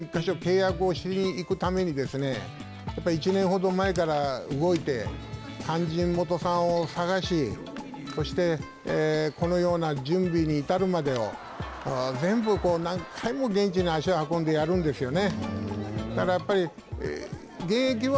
やっぱり巡業の一か所一か所契約をしに行くために１年ほど前から動いてかんじんもとさんを探しそして、このような準備に至るまでを全部何回も現地に足を運んでやるんですよね。